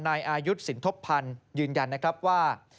นายอายุทธ์สินทบพันธ์ยืนยันว่า